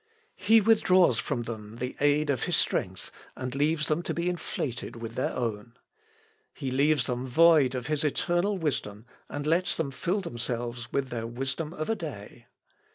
He withdraws from them the aid of his strength, and leaves them to be inflated with their own. He leaves them void of his eternal wisdom, and lets them fill themselves with their wisdom of a day.